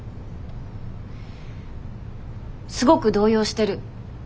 すごく動揺してる。